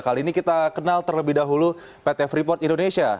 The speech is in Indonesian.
kali ini kita kenal terlebih dahulu pt freeport indonesia